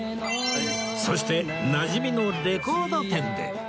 そしてなじみのレコード店で